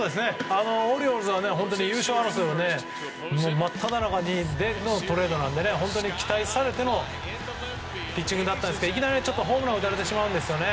オリオールズは優勝争いの真っただ中でのトレードなので本当に期待されてのピッチングだったんですがいきなりホームランを打たれてしまうんですね。